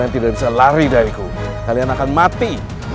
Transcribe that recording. satu anak sini wangi telah mati